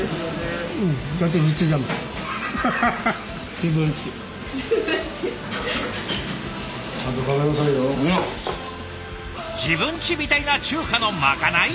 自分ちみたいな中華のまかない？